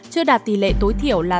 chưa đạt tỷ lệ tối thiểu là tám mươi